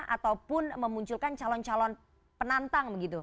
ataupun memunculkan calon calon penantang begitu